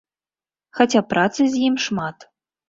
Хаця працы з ім шмат.